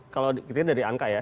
kalau kita lihat dari angka ya